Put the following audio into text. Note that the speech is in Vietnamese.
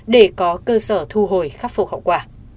để có cơ sở thu hồi khắc phục hậu quả